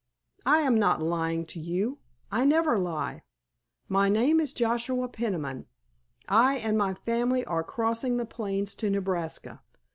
"I am not lying to you. I never lie. My name is Joshua Peniman. I and my family are crossing the plains to Nebraska.